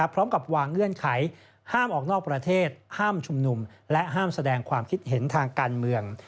พร้อมกับวางเงื่อนไขห้ามออกนอกประเทศห้ามชุมนุมและห้ามแสดงความคิดเห็นทางการเมือง